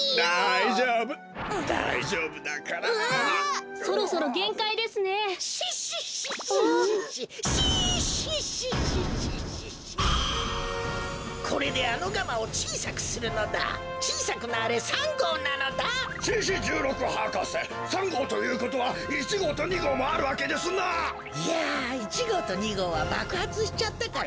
いや１ごうと２ごうはばくはつしちゃったからもうないのだ。